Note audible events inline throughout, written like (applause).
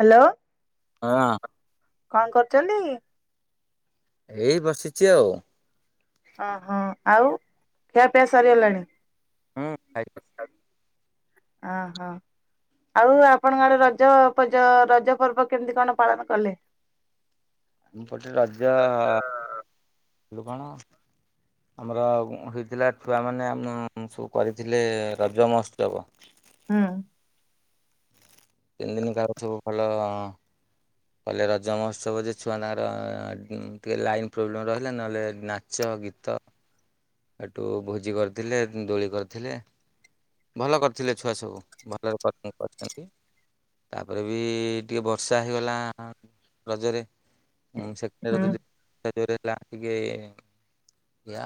Hello? ହଁ। କଣ କରୁଛନ୍ତି-ଇ-? ଏଇ, ବସିଛି ଆଉ। ଓହୋ। ଆଉ, ଖିଆପିଆ ସରିଗଲାଣି! ହୁଁ- ଆଇତ। ଓହୋ। ଆଉ ଆପଣଙ୍କ ଆଡେ ରଜ ପଜ ରଜ ପର୍ବ କେମିତି କଣ ପାଳନ କଲେ? ଆମ ପଟେ ରଜ ହେଲୁ କଣ,, ଆମର, ହେଇଥିଲା ଛୁଆମାନେ ଆମ- ସବୁ କରିଥିଲେ, ରଜ ମହୋତ୍ସବ। ହୁଁ। ତିନି ଦିନ ଗାରୁଥିବ ଭଲ। କହିଲେ ରଜ ମହୋତ୍ସବ ଯେ ଛୁଆ ତାଙ୍କର- ଅ ଉଁ ଟିକେ ଲାଇନ୍ ପ୍ରୋବ୍ଲେମ ରହିଲା, ନହେଲେ ନାଚ, ଗୀତ, ଏଠୁ ଭୋଜି କରିଥିଲେ, ଦୋଳି କରିଥିଲେ, -ଭଲ କରିଥିଲେ ଛୁଆ ସବୁ। ଭଲରେ କରିଚନ୍ତି କରିଚନ୍ତି, ତାପରେ ବି ଟିକେ ବର୍ଷା ହେଇଗଲା ରଜରେ ସେପରେ ହୁଁ ଯଦି (unintelligible)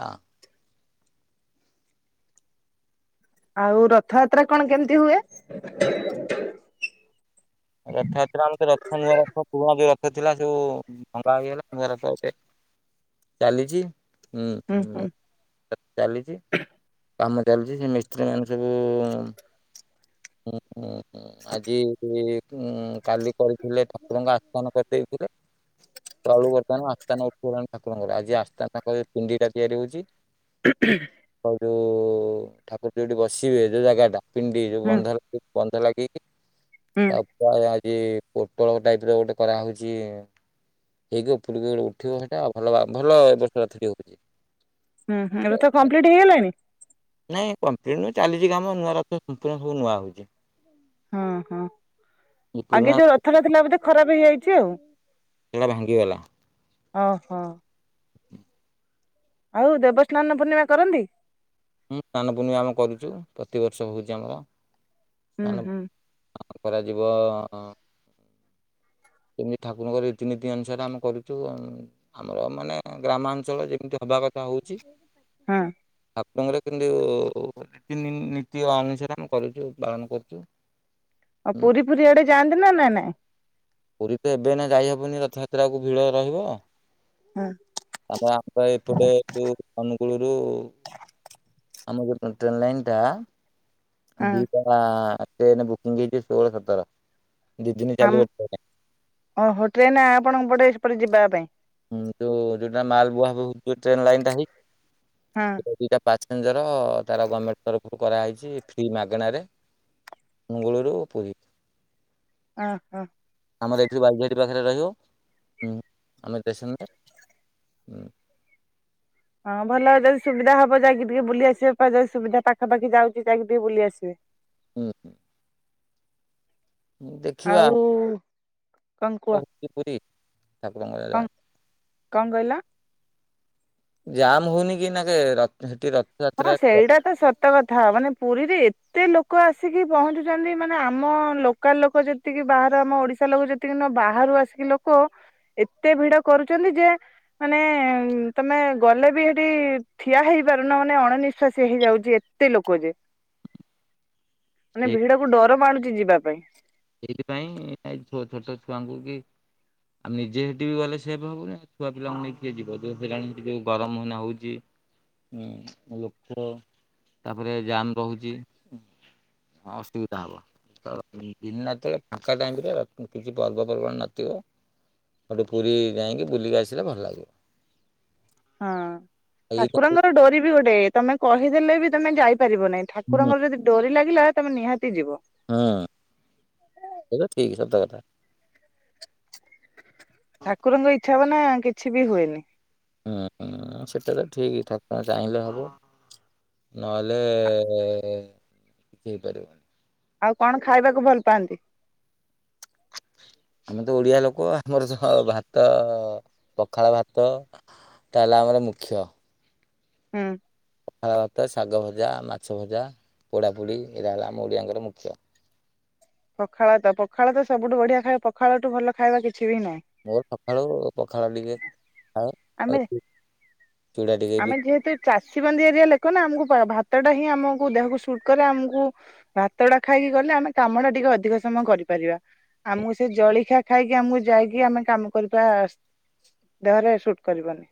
ଆଉ, ରଥଯାତ୍ରା କଣ କେମିତି ହୁଏ? ରଥଯାତ୍ରା ଆମ ରଥ, ନୂଆଁ ରଥ ପୁରୁଣା ବି ର ଥିଲା ସବୁ ଉ ଭଙ୍ଗା ହେଇଗଲା, ବରଷକେ। ଚାଲିଛି, ହୁଁ, ହଁ ଚାଲିଛି। କାମ ଚାଲିଛି, ସେ ମିସ୍ତ୍ରୀ ମାନେ ସବୁ ଉ ହୁଁ ହୁଁ, ହୁଁ, ଆଜି ଉଁ କାଲି କରି ଥିଲେ ଠାକୁରଙ୍କ ଆସ୍ଥାନ କରିଦେଇଥିଲେ, ତଳୁ ବର୍ତ୍ତମାନ ଆସ୍ଥାନ ଉଠ ପୁରାଣ ଠାକୁରଙ୍କର, ଆଜି ଆସ୍ତାଙ୍କ ପିଣ୍ଡି ଟା ତିଆରି ହଉଛି। ଆଉ ଯୋଉ ଉ ଠାକୁର ଯଉଁଠି ବସିବେ, ଯୋଉଁ ଜାଗା ଟା ପିଣ୍ଡି, ଯୋଉଁ ହୁଁ ବନ ବନ୍ଧ ଲାଗି କିି, ହୁଁ ଅପା ଆ ଯ ପୋଟଳ ଟାଇପ ର ଗୋଟେ କରାହଉଛି ହେଇକି ପୁରୀକୁ ଗୋଟେ ଉଠିବ ସେଟା ଭଲ ଭଲ ବର୍ଷ ହଉଛି। ହୁଁ ହୁଁ ଏବେ ତ କମ୍ପ୍ଲିଟ୍ ହେଇଗଲାଣି। ନାଇଁ କ ନୁହଁ ଚାଲିଛି କାମ ନୂଆ ସମ୍ପୂର୍ଣ ସବୁ ନୂଆ ହଉଛି। ହଁ ହଁ ପୁରୁଣା ଆଗେ ଯୋଉ ରଥଟା ଥିଲା ବୋଧେ ଖରାପ ହେଇଯାଇଛି ଆଉ। ହେଲା ଭାଙ୍ଗି ଗଲା। ଓ ହୋ। ଆଉ ଦେବସ୍ନାନ ପୂର୍ଣ୍ଣିମା କରନ୍ତି? ହୁଁ ସ୍ନାନପୂର୍ଣ୍ଣିମା ଆମେ କରୁଛୁ ପ୍ରତିିବର୍ଷ ହଉଛି ଆମର। ହୁଁ ସ୍ନାନ ହୁଁ। କରାଯିବ। ଏମିତି ଠାକୁରଙ୍କ ରୀତିନୀତି ଅନୁସାରେ ଆମେ କରୁଛୁ। ଆମର ମାନେ ଗ୍ରାମାଞ୍ଚଳ ଯେମିତି ହବା କଥା ହଉଛି ହଁ ଆ ତାଙ୍କର କେମତି ନୀତି ଅନୁସାରେ ଆମେ କରୁଛୁ ପାଳନ କରୁଛୁ। ଆଉ ପୁରୀ ଫୁରୀ ଆଆଡେ ଯାଆନ୍ତି ନା ନାଇଁ ନାଇଁ? ପୁରୀ ତ ଏବେ ନା ଯାଇହବନି ରଥଯାତ୍ରା ଆକୁ ଭିଡ ରହିବ। ହଁ (inaudible) ଆମ ଆକା ଏପଡେ ସ୍କୁୂଳରୁ ଆମ ଯେ ଟ୍ରେନ୍ ଲାଇନ୍ଟା (inaudible) ହଁ ଦୀଟା ସେନେ ବୁକିଂ ହେଛି ଷୋଳ, ସତର ଦି ଦିନ ଆମ ଚାଲିବ ଟ୍ରେନ। ଅ ଟ୍ରେନ ନା ଆ ଆପଣଙ୍କ ପଡେ ସେପଟ ଯିବା ପାଇଁ। ହୁଁ ତ ଦିଟା ମାଲ ବୁହା ବ ଟ୍ରେନ ଲାଇନ ଟା ହଁ ହେଇଛି ସେ ଦଇଟା ପ୍ୟାସେଞ୍ଜର ତାର ଗଭର୍ଣ୍ଣମେଣ୍ଟ ତରଫରୁ କରାହେଇଛି ଫ୍ରି ମାଗଣାରେ ମୁଙ୍ଗୁଳୁରୁ, ପୁରୀ ହ ହ (inaudible) ଆମର ଏଇଠି ବାଇଘଟି ପାଖରେ ରହିବଁ ଆମେ ଷ୍ଟେସନରେ ହଁ ହଁ ଭଲ ଯଦି ସୁବିଧା ହବ ଯାଇକ ଟିକେ ବୁଲି ଆସିବେ ଯଦି ସୁବିଧା ପାଖାପାଖି ଯାଉଛି ଯାଇକି ଟିକେ ବୁଲି ଆସିବେ। ହୁଁ ହୁଁ। ଆଉ କଣ କୁହ ପୁରୀ ଠାକୁରଙ୍କର ଯା। କଣ କଣ କହିଲ? ଜାମ୍ ହଉନି କି ଏନା କେ ର ସେଠୀ ରଥ। ହଁ ସେଇଟା ତ ସତ କଥା? ମାନେ ପୁରୀରେ ଏତେ ଲୋକ? ଲୋକ ଆସିକି ପହଞ୍ଚୁଛନ୍ତି। ମାନେ ଆମ ଲୋକାଲ ଲୋକ ଯେତିକି ବାହାର ଆମ ଓଡିଶା ଲୋକ ଯେତିକି ନୁହ ବାହାରୁ ଆସିକି ଲୋକ ଏତେ ଭିଡ କରୁଛନ୍ତି ଯେ? ମାନେ ତମେ ଗଲେ ବି ସେଠି ଠିଆ ହେଇପାରୁନ। ନାଇଁ ଅଣନିଶ୍ଵାସୀ ହେଇଯାଉଛି? ଏତେ ଲୋକ ଯେ ମାନେ ଭିଡକୁ ଡର ମଣୁ। ଯିବା ପାଇଁ ସେଇଥିପାଇଁ ଛୋଟ ଛୁଆଙ୍କୁ କି ଆମେ ନିଜେ ସେଠି ବି ଗଲେ ସେ ବି ହବୁନି ଛୁଆ ପିଲାଙ୍କୁ ନେଇକି ଯିବ ଯୋଉ ହେଲାଣି ଯୋଉ ଗରମ ମନା ହଉଛିଁ ଲୋକ ତାପରେ ଜାମ ରହୁଛି ଅସୁବିଧା ହବ। ଦିନ ନତେଳେ ଫାଙ୍କା ଟାଇମରେ କିଛି ପର୍ବପର୍ବାଣି ନଥିବ ସେଠୁ ପୁରୀ ଯାଇକି ବୁଲିକି ଆସିଲେ ଭଲ ଲାଗିବ। ହଁ ଏଇ ଠାକୁରଙ୍କର ଡୋରି ଗୋଟେ ତମେ କହିଦେଲେ ବି ତମେ ଯାଇ ପାରିବ ନାହି ଠାରଙ୍କର ଯଦିଡରି ଲାଗେ। ଥିଲା ତମେ ନିହାତି ଯିବ ହୁଁ ଏଟା ଠିକ ସତ କଥା। ଠାକୁରଙ୍କଇ ଛା ମନା କିଛି ବି ହୁଏନି। ହୁଁ ସେଟା ତ ଠିକ ଠାକୁର ଚାହିଁଲେ ହବ ନହେଲେ କିଛି ହେଇପାରିବନି। ଆଉ କଣ ଖାଇବାକୁ ଭଲ ପାଆନ୍ତି। ଆମେ ତ ଓଡ଼ିଆ ଲୋକ ଆମର ଭାତ ପଖାଳ ଭାତ ତା ହେଲା ଆମର ମୁଖ୍ୟ। ହୁଁ। ପଖଳ ଭାତ ଶାଗ ଭଜା ମାଛ ଭଜା ପୋଡାପୋଡି ଏଇଟା ହେଲା ଆମ ଓଡିଆଙ୍କର ମୁଖ୍ୟ। ପଖାଳ ତ ପଖାଳ ତ ସବୁଠୁ ବଢିଆ ଖାଇବା ପଖାଳଠୁ ଭଲ ଖାଇବା କିଛି ବି ନାହିଁ ମୋର ସଖାଳୁ ପଖାଳ ଟିକେ ଖାଏ। ଆମେ ଆଉ ଚୁଡ଼ା ଟିକେ ବି ଆମେ ଯେହେତୁ ଚାଷୀ ବନ୍ଦୀ ଏରିଆ ଲେୋକ ନା ଆମକୁ ଭ ଭାତ ଟା ହିଁ ଆମକୁ ଦେହକୁ ସୁଟ କଲେ ଆମକୁ ଭାତ ଟା ଖାଇକି ଗଲେ ଆମେ କାମ ଟା ଟିକେ ଅଧିକ ସମୟ କରିପାରିବା। ଆମକୁ ସେ ଜଳିଖିଆ ଖାଇକି ଆମକୁ ଯାଇକି ଆମେ କାମ କରିବା ଦେହରେ ସୁଟ କରିବନି।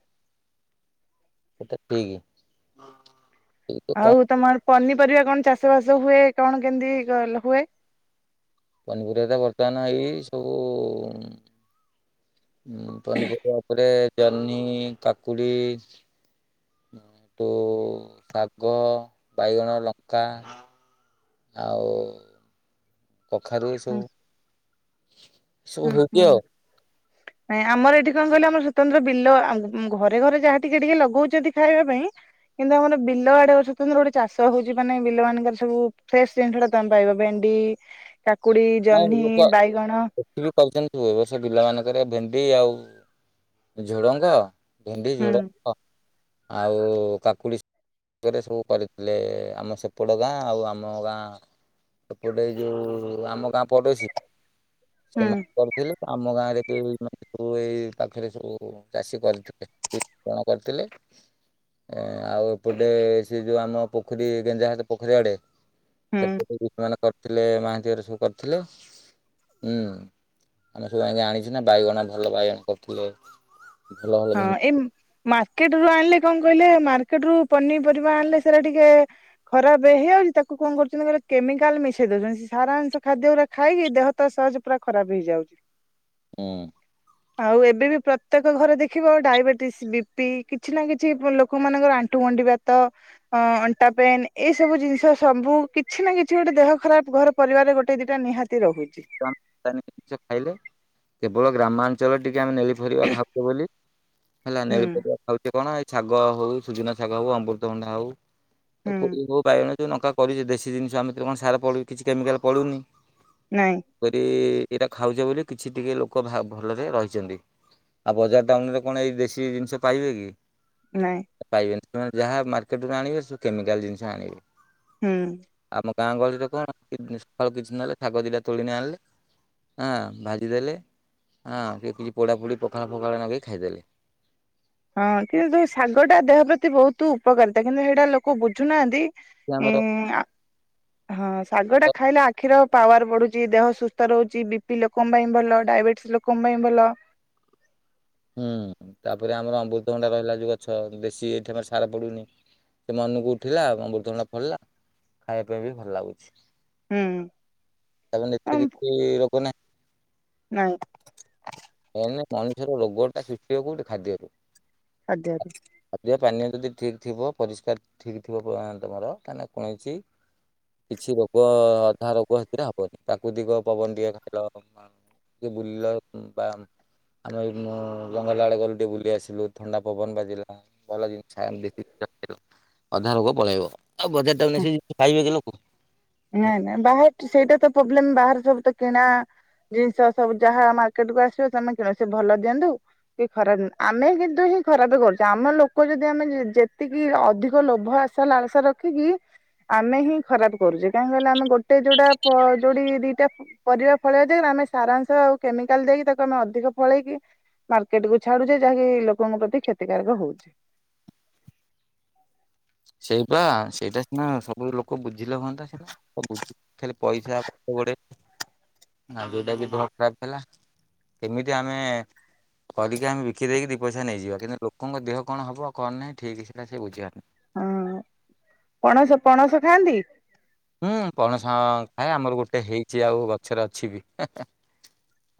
ସେଟା ପିକ୍ ଆଉ ତ ମ ପନିପରିବା କଣ ଚାଷ ବାସ ହୁଏ। କଣ କେମିତି ହୁଏ? ପନିପରିବା ତ ବର୍ତ୍ତମାନ ଏଇ ସବୁ ହୁଁ ପନିପରିବା ଉପରେ ଜହ୍ନି କାକୁଡ଼ି ତୁ ଶାଗ ବାଇଗଣ ଲଙ୍କା ଆଉ କଖାରୁ ହୁଁ ସବୁ ସବୁ ହୁଁ ହୁଁ ହେଛି ଆଉ ଆମର ଏଠି କଣ କହିଲ ଆମର ସ୍ୱତନ୍ତ୍ର ବିଲ ଘରେ ଘରେ ଯାହା ଟିକେ ଟିକେ ଲଗଉଛନ୍ତି। ଖାଇବା ପାଇଁ କିନ୍ତୁ ଆମର ବିଲ ଆଡେ ସ୍ୱତନ୍ତ୍ର ଗୋଟେ ଚାଷ ହଉଛି ମାନେ ବିଲ ମାନଙ୍କର ସବୁ ଫ୍ରେଶ ଜିନିଷ ଟା ତମେ ପାଇ ଭେଣ୍ଡି କାକୁଡି ଜହ୍ନି ବାଇଗଣ ହୁଏ ବର୍ଷ ପିଲାମାନାନଙ୍କରେ ଭେଣ୍ଡି ଆଉ ଝୁଡଙ୍ଗ ଭେଣ୍ଡି ହୁଁ ଝୁଡଙ୍ଗ ଆଉ କାକୁଡିରେ ସବୁ କରିଥିଲେ ଆମ ସେପଟ ଗାଁ ଆଉ ଆମ ଗାଁ ସେପଟ ଏଇ ଯୋଉ ଆମ କା ପଡ଼ୋଶୀ ହୁଁ ସେମାନେ କରଥିଲେ ଆମ ଗାଁ ରେ ଏଇ ପାଖରେ ସବୁ ଚାଷୀ କରିଥିଲେ କ୍ଷତି ପୂରଣ କରିଥିଲେ। ଆଉ ଏପଟେ ସେ ଯୋଉ ଆମ ପୋଖରୀ ଗେଞ୍ଜା ହାତ ପୋଖରୀ ଆଡେ ହୁଁ। ସେପଟେ କି କଣ ଥିଲେ ମହାନ୍ତିର ସବୁ କାର୍ ଥିଲେ ହୁଁ ଆମେ ଯାଇକି ଆଣିଚୁ ନା ବାଇଗଣ ଭଲ ବାଇଗଣ କରୁଥିଲେ। ହଁ ଏମ ମାର୍କେଟ ରୁ ଆଣିଲେ କଣ କହିଲେ ମାର୍କେଟ ରୁ ପନିପରିବା ଆଣିଲେ ସେରା ଟିକେ ଖରାପ ହେଇଆଉଛି। ତାକୁ କଣ କରୁଛନ୍ତି କେମିକାଲ ମିଶେଇ ଦଉଛନ୍ତି ସାରାଂଶ ଖାଦ୍ୟ ଖାଇକି ଦେହ ତ ସହଜେ ଖରାପ ହେଇଯାଉଚି। ହୁଁ। ଆଉ ଏବେ ବି ପ୍ରତ୍ୟେକ ଘରେ ଦେଖି। ଦେଖିବ ଡାଇବେଟିସ ବି ପି କିଛି ନା କିଛି ଲୋକମାନଙ୍କର ଆଣ୍ଠୁ ଗଣ୍ଠି ବାତ ଅନାଟା ପେନ୍ ଏଇ ସବୁ ଜିନିଷ ସବୁ କିଛି ନା କିଛି ଗୋଟେ ଦେହ ଖରାପ ଘରେ ପରିବାରେ ଗୋଟେ ଦି ଟା। ଜିନିଷ ଖାଇଲେ। ବୋ ଗ୍ରାମାଞ୍ଚଳ ଟିକେ। ଆମେ ନେଳି ଫରିବା ଖାଉଚେ ବୋଲି ହୁଁ ହେଲାନେଳି ପରିବା ଖାଉଚେ କଣ। ଶାଗ ହଉ ସୂଜୁ ନା ଶାଗ ହଉ ଅମୃତଭଣ୍ଡା ହଉ। ହୁଁ ବୋଉ ଭାଇ। ଯୋଉ ନଙ୍କା କରିଚେ ଦେଶୀ ଜିନିଷ ଆମେ ସାର ପଡୁନି କିଛି କେମିକାଲ ପଡ଼ୁନି। ନାଇଁ କରି। ଏଇଟା ଖାଉଛେ ବୋଲି କିଛି ଟିକେ ଲୋକ ଭଲରେ ରହିଛନ୍ତି ଆଉ ବଜାର ଟାଉନରେ କଣ ଏଇ ଦେଶୀ ଜିନିଷ ପାଇବେ କି। ନାଇଁ। ପାଇବେନି ସେମାନେ ଯାହା ମାର୍କେଟରୁ ଆଣିବେ ସେ କେମିକାଲ ଜିନିଷ ଆଣିବେ। ହୁଁ। ଆମ ଗାଁ ଗହଳି ରେ କଣ ସକାଳୁ କିଛି ନହେଲେ ଶାଗ ଦିଟା। ତୋଳିକି ଆଣିଲେ ଆଁ ଭାଜିଦେଲେ ଆଁ ଏତିକି ପୋଡ଼ା ପୋଡ଼ି ପଖାଳ ଫକାଳ ନଗେଇ ଖାଇଦେଲେ। ହଁ କିନ୍ତୁ ଶାଗ ଟା ଦେହ ପ୍ରତି ବହୁତ ଉପକାରିତା କିନ୍ତୁ ହେଟା ଲୋକ ବୁଝୁନାହାନ୍ତି। ଏଠି ଆମର ଉଁ। ହଁ ଶାଗ ଟା ଖାଇଲେ ଆଖିର ପାୱାର ବଢୁଛି ଦେହ ସୁସ୍ଥ ରହୁଛି ବି ପି ଲୋକଙ୍କ ପାଇଁ ଭଲ ଡାଇବେଟିସ ଲୋକଙ୍କ ପାଇଁ ଭଲ। ହୁଁ ତାପରେ ଆମର ଅମୃତଭଣ୍ଡା ରହିଲା ଯୋଉ ଗଛ ଦେଶୀ ଏଇଠି ଆମ ସାର ପଡୁନି ସେ ମନକୁ ଉଠିଲା ଅମୃତଭଣ୍ଡା ଫଳିଲା ଖାଇବା ପାଇଁ ବି ଭଲ ଲାଗୁଛି। ହୁଁ ତା ପରେ ଏଥିରେ କିଛି ବି ରୋଗ ନାହିଁ। ନାଇଁ। ମଣିଷ ର ରୋଗ ଟା ସୃଷ୍ଟି ହୁଏ କୋଉଠୁ ଖାଦ୍ୟ ରୁ। ଆଜ୍ଞା। ଯଦି ଠିକ୍ ଥିବ ପରିଷ୍କାର ଠିକ୍ ଥିବ ଘର ତାହାଲେ କୌଣସି କିଛି ରୋଗ ଅଧା ରୋଗ ହେତିରେ ହବନି ପ୍ରାକୃତିକ ପବନ ଟିକେ ଖାଇଲ ଟିକେ ବୁଲିଲ। ବା ଆମେ ଜଙ୍ଗଲ ଆଡେ ଗଲୁ ଟିକେ ବୁଲିଆସିଲୁ ଥଣ୍ଡା ପବନ ବାଜିଲା ଭଲ ଜିନିଷ ଆଣିଲି ଅଧା ରୋଗ ପଳେଇବ। ଆଉ ବଜାର ତାକୁ ନେଇ ଖାଇବେ କି ଲୋକ। ନାଇଁ ନାଇଁ ବାହାର ସେଇଟା ତ ପ୍ରୋବ୍ଲେମ ବାହାରେ ସବୁ ତ କିଣା ଜିନିଷ ସବୁ ଯାହା ମାର୍କେଟ କୁ ଆସିବ ସେେ କିଣ ସେ ଭଲ ଦିଅନ୍ତୁ କି ଖରାପ ଦିଅନ୍ତୁ ଆମେ କିନ୍ତୁ ହିଁ ଖରାପ କରୁଛୁ ଆମ ଲୋକ ଯଦି ଆମେ ଯେତିକି ଅଧିକ ଲୋଭ ଆସା ଲାଳସା ରଖିକି। ଆମେ ହିଁ ଖରାପ କରୁଛେ କାହିଁ କହିଲଲେ ଆମେ ଗୋଟେ ଯୋଉଟା ଯୋଉ ଦିଟା ପରିବା ଫଳେଇବା ଯାଇ ଆମେ ସାରାଂଶ ଆଉ କେମିକାଲ ଦେଇକି ତାକୁ ଆମେ ଅଧିକ ଫଳେଇକି ମାର୍କେଟ କୁ ଛାଡୁଛେ ଯାହାକି ଲୋକଙ୍କ ପ୍ରତି କ୍ଷତିକାରକ ହଉଛିେ ଶେଇପା ସେଇଟା ସିନା ସବୁ ଲୋକ ବୁଝିଲେ ହୁଅନ୍ତା ଖାଲି ପଇସା ପଛରେ ଗୋଡେଇ ଯୋଉଟାକି ଦେହ ଖରାପ ହେଲା କେମିତି ଆମେ କରିକି ଆମେ ବିକିଦେଇକି ଦି ପଇସା ନେଇଯିବା କିନ୍ତୁ ଲୋକଙ୍କ ଦେହ କଣ ହେବ କଣ ନାଇଁ ଠିକ୍ ସେକଥା ବୁଝିବାର ନାହିଁ। ହଁ ପଣସ ପଣସ ଖାଆନ୍ତି। ହୁଁ ପଣସ ଖାଏ ଆମର ଗୋଟେ ହେଇଚି ଆଉ ଗଛ ରେ ଅଛି ବି।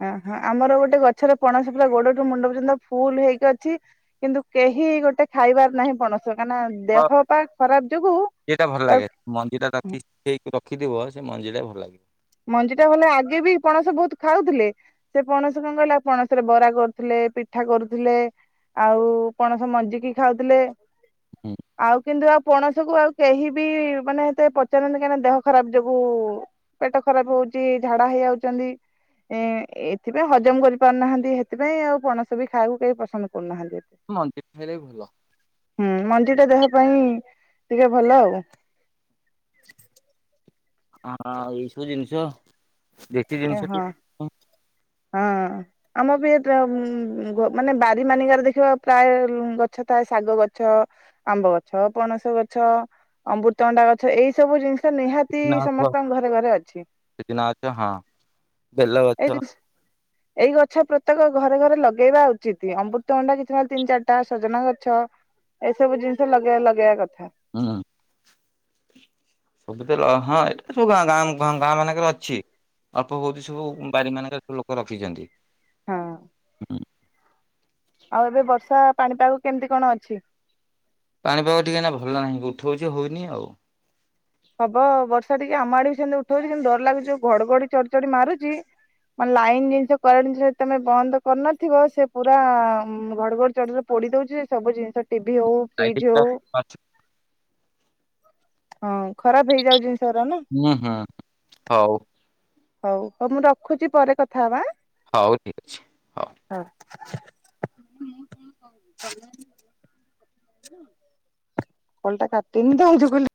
ଅ ହ ଆମର ଗୋଟେ ଗଛରେ ପଣସ ପୁରା ଗୋଡଠୁ ମୁଣ୍ଡ ପର୍ଯ୍ୟନ୍ତ ଫୁଲ ହେଇକି ଅଛି କିନ୍ତୁ କେହି ଗୋଟେ ଖାଇବାର ନାହିଁ ପଣସ କାହିଁକିନା ତ ଦେହ ପା ଖରାପ ଯୋଗୁ ସେଟା ଭଲ ଲାଗେ ତାକୁ ମଞ୍ଜି ଟା ରଖି ରଖିଥିବ ସେ ମଞ୍ଜି ଟା ଭଲ ଲାଗେ ମଞ୍ଜି ଟା ଭଲେ ଆଗେ ବି ପଣସ ବହୁତ ଖାଉଥିଲେ ସେ ପଣସ କଣ କହିଲା ପଣସରେ ବରା କରୁଥିଲେ ପିଠା କରୁଥିଲେ ଆଉ ପଣସ ମଞ୍ଜିିକି ଖାଉଥିଲେ ଆଉ କିନ୍ତୁ ଆଉ ପଣସ କୁ ଆଉ କେହି ବି ମାନେ ଏତେ ପଚାରନ୍ତି କାହିଁକିନା ଦେହ ଖରାପ ଯୋଗୁ ପେଟ ଖରାପ ହଉଛି ଝାଡା ହେଇଯାଉଛନ୍ତି। ଏ ଏଥିପାଇଁ ହଜମ କରିପାରୁନାହାନ୍ତି ହେଥିପାଇଁ ଆଉ ପଣସ ବି ଖାଇବାକୁ କେହି ପସନ୍ଦ କରୁନାହାନ୍ତି। ଏତେ ମଞ୍ଜି ବି ଖାଇଲେ ବି ଭଲ। ହୁଁ ମଞ୍ଜି ଟା ଦେହ ପାଇଁ ଟିକେ ଭଲ ଆଉ। ହଁ ଏଇ ସବୁ ଜିନିଷ ଦେଶୀ ଏ ଜିନିଷ। ହଁ (unintelligible) ହଁ ଆମ ବି ମାନେ ବାରି ମାନିକାରେ ଦେଖିବ ପ୍ରାୟ ଗଛ ଥାଏ ଶାଗ ଗଛ, ଆମ୍ବ ଗଛ, ପଣସ ଗଛ, ଅମୃତଭଣ୍ଡା ଗଛ ଏଇ ସବୁ ଜିନି ନିହାତି ସଜନା ଗଛ ସମସ୍ତଙ୍କ ଘରେ ଘରେ ଅଛି। ସଜନା ଗଛ ହଁ ବେଲ ଏଇ ଗଛ। ଜିନିଷ ଏଇ ଗଛ ପ୍ରତ୍ୟେକ ଘରେ ଘରେ ଲଗେଇବା ଉଚିତ୍। ଅମୃତଭଣ୍ଡା କିଛି ନହେଲେ ତିନି ଚାରିଟା ସଜନା ଗଛ ଏସବୁ ଜିନିଷ ଲଗେଇବା ଲଗେଇବା କଥା। ହଁ। ସବୁ ତ ହଁ ଏଇଟା ସବୁଁଁ ଗାଁ ଗାଁ ମାନଙ୍କରେ ଅଛି। ଅଳ୍ପ ବହୁତ ସବୁ ବାରି ମାନଙ୍କରେ ସବୁ ଲୋକ ରଖିଛନ୍ତି। ହଁ। (inaudible) ଆଉ ଏବେ ବର୍ଷା ପାଣିପାଗ କେମିତି କଣ ଅଛି? ପାଣିପାଗ ଟିକେ ନା ଭଲ ନାହିଁ। ଉଠଉଛି ହଉନି ଆଉ। ହବ ବର୍ଷା ଟିକେ ଆମ ଆଡେ ବି ସେମିତି ଉଠଉଛ। କିନ୍ତୁ ଡର ଲାଗୁଛି ଯୋଉ ଘଡଘଡି ଚଡଚଡି ମାରୁଛି ମାନେ ଲାଇନ ଜିନିଷ କରେଣ୍ଟ ଜିନିଷ ତମେ ଯଦି ବନ୍ଦ କରିନଥିବ ସେ ପୁରା ଘଡଘଡି ଚଡଚଡ଼ି ରେ ପୋଡି ଦଉଛି ସବୁ ଜିନିଷ ଟିଭିି ହଉ ଫ୍ରିଜ ହଉ ହଁ ଖରାପ ହେଇଯାଉ ଜିନ ହୁଁ ହଁ ହଉ। ହଉ ହଉ ମୁଁ ରଖୁଛି ପରେ କଥା ହବା। ହଉ ଠିକ୍ ଅଛି ହଉ। (inaudible) କଲଟା କାଟିନି ତ। (unintelligible)